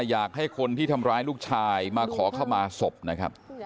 อยากให้คนที่ทำร้ายลูกชายมาขอเข้ามาศพนะครับ